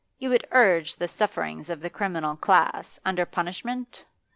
You would urge the sufferings of the criminal class under punishment?